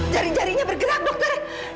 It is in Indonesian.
jari jarinya bergerak dokter